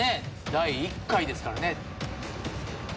第１回ですからね。